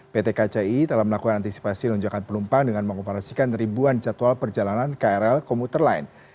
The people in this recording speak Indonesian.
pt kci telah melakukan antisipasi lonjakan penumpang dengan mengoperasikan ribuan jadwal perjalanan krl komuter lain